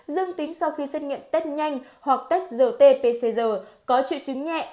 dương tính sau khi xét nghiệm test nhanh hoặc test rt pcr có triệu chứng nhẹ